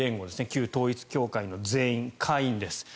旧統一教会の全員、会員です。